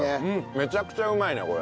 めちゃくちゃうまいねこれ。